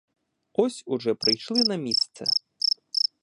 Ось уже прийшли на місце.